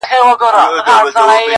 نیم پر تخت د شاه جهان نیم قلندر دی.!